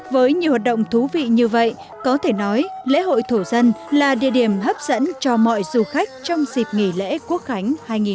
với nhiều hoạt động thú vị như vậy có thể nói lễ hội thổ dân là địa điểm hấp dẫn cho mọi du khách trong dịp nghỉ lễ quốc khánh hai nghìn một mươi chín